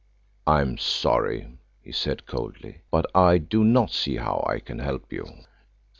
"I am sorry," he said coldly, "but I do not see how I can help you."